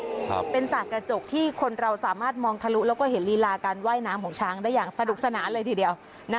ครับเป็นสากกระจกที่คนเราสามารถมองทะลุแล้วก็เห็นลีลาการว่ายน้ำของช้างได้อย่างสนุกสนานเลยทีเดียวนะ